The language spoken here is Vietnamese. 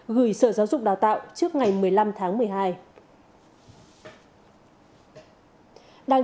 gửi sở giáo dục đào tạo trước ngày một mươi năm tháng một mươi hai